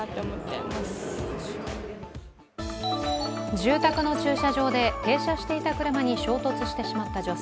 住宅の駐車場で停車していた車に衝突してしまった女性。